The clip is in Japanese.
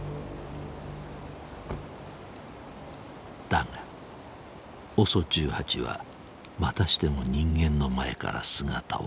だがＯＳＯ１８はまたしても人間の前から姿を消した。